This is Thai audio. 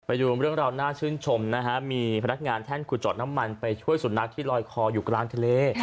ไปดูเรื่องราวน่าชื่นชมนะฮะมีพนักงานแท่นขุดเจาะน้ำมันไปช่วยสุนัขที่ลอยคออยู่กลางทะเล